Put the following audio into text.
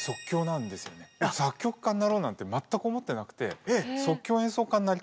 作曲家になろうなんて全く思ってなくてはあ珍しい！